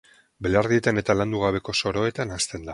Belardietan eta landu gabeko soroetan hazten da.